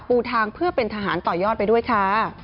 ปูทางเพื่อเป็นทหารต่อยอดไปด้วยค่ะ